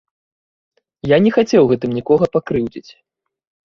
Я не хацеў гэтым нікога пакрыўдзіць.